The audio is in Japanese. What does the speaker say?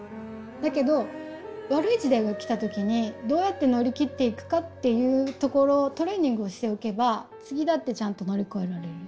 だけど悪い時代が来た時にどうやって乗り切っていくかっていうところをトレーニングをしておけば次だってちゃんと乗り越えられる。